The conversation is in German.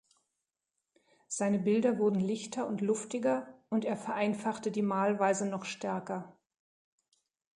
Seine Bilder wurden lichter und luftiger, und er vereinfachte die Malweise noch stärker.